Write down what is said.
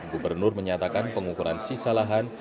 gubernur menyatakan pengukuran sisa lahan